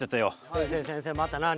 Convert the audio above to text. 先生先生また何？